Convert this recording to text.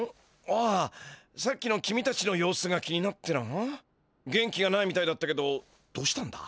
ああさっきの君たちの様子が気になってな元気がないみたいだったけどどうしたんだ？